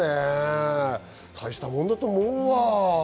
大したもんだと思うわ。